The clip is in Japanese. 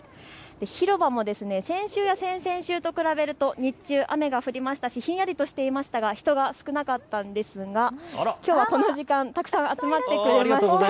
広場も先週や先々週と比べると日中、雨が降りましたしひんやりとしていましたが人が少なかったんですがきょうはこの時間、たくさん集まってくれました。